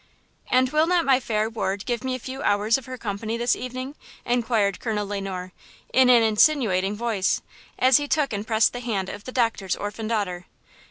"And will not my fair ward give me a few hours of her company this evening?" inquired Colonel Le Noir in an insinuating voice, as he took and pressed the hand of the doctor's orphan daughter.